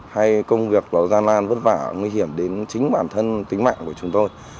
hay công việc đó gian lan vất vả nguy hiểm đến chính bản thân tính mạnh của chúng tôi